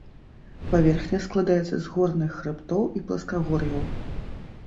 Паверхня складаецца з горных хрыбтоў і пласкагор'яў.